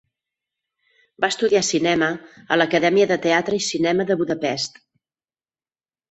Va estudiar cinema a l'Acadèmia de Teatre i Cinema de Budapest.